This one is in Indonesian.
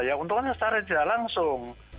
ya untungnya secara langsung